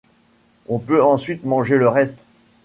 On peut ensuite manger le reste.